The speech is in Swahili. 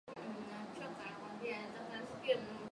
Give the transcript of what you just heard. Ngamia kondoo na mbuzi wanaweza kuambukizwa